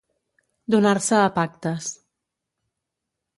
Donar-se a pactes.